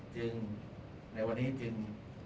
ในวันนี้จึง